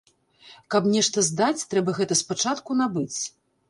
Каб нешта здаць, трэба гэта спачатку набыць.